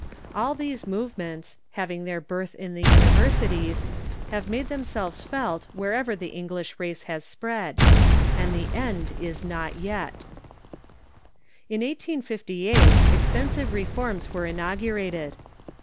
All these movements, having their birth at the universities, have made themselves felt wherever the English race has spread ; and the end is not yet. In 1858 extensive reforms Avere inaugurated.